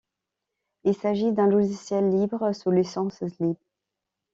Il s'agit d'un logiciel libre sous licence zlib.